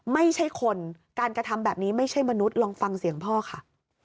ไม่ใช่คนการกระทำแบบนี้ไม่ใช่มนุษย์ลองฟังเสียงพ่อค่ะ